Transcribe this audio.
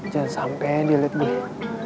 jangan sampe dia liat gue